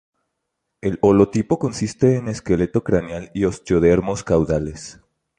El holotipo consiste en el esqueleto craneal y osteodermos caudales.